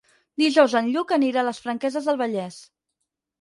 Dijous en Lluc anirà a les Franqueses del Vallès.